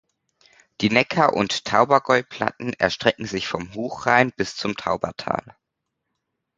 Die Neckar- und Taubergäuplatten erstrecken sich vom Hochrhein bis zum Taubertal.